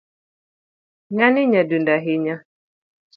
Ngani nyadundo ahinya